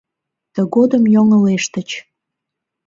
Тыгодым йоҥылештыч.